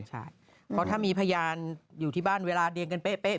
ใช่เพราะถ้ามีพยานอยู่ที่บ้านเวลาเรียงกันเป๊ะ